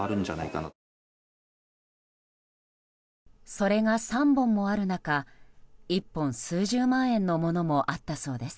それが３本もある中１本、数十万円のものもあったそうです。